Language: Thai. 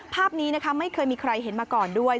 ภาพนี้นะคะไม่เคยมีใครเห็นมาก่อนด้วย